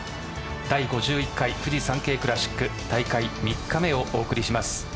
第５１回フジサンケイクラシック大会３日目をお送りします。